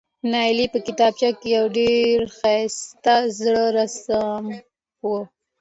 نایلې په کتابچه کې یو ډېر ښایسته زړه رسم و،